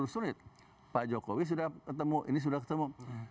sulit pak jokowi sudah ketemu ini sudah ketemu